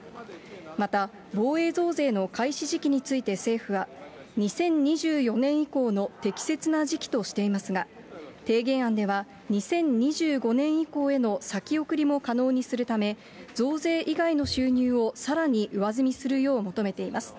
また防衛増税の開始時期について政府は、２０２４年以降の適切な時期としていますが、提言案では２０２５年以降への先送りも可能にするため、増税以外の収入をさらに上積みするよう求めています。